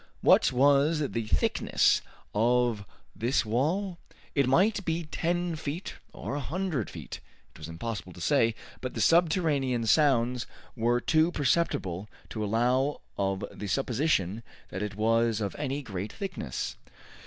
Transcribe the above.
What was the thickness of this wall? It might be ten feet or a hundred feet it was impossible to say. But the subterranean sounds were too perceptible to allow of the supposition that it was of any great thickness.